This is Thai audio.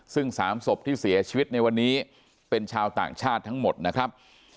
ซึ่ง๓ศพที่เสียชีวิตในวันนี้เป็นชาวต่างชาติทั้งหมดนะครับ